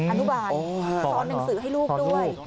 อนุบาลสอนหนังสือให้ลูกด้วย